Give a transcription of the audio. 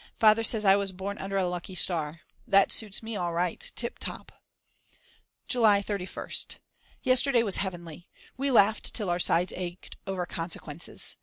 Father says I was born under a lucky star. That suits me all right, tip top. July 31st. Yesterday was heavenly. We laughed till our sides ached over Consequences.